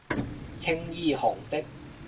青衣紅的